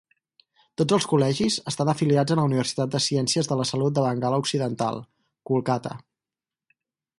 Tots els col·legis estan afiliats a la Universitat de Ciències de la Salut de Bengala Occidental, Kolkata.